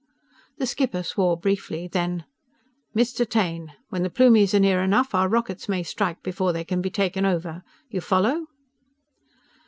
The skipper swore briefly. Then: "_Mr. Taine! When the Plumies are near enough, our rockets may strike before they can be taken over! You follow?